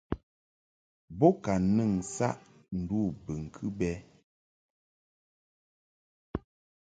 Bo ka nɨn saʼ ndu bɨŋkɨ bɛ.